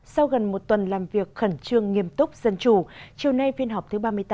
sau gần một tuần làm việc khẩn trương nghiêm túc dân chủ chiều nay phiên họp thứ ba mươi tám